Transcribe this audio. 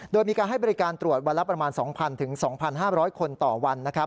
โดยมีการให้บริการตรวจวันละประมาณ๒๐๐๒๕๐๐คนต่อวัน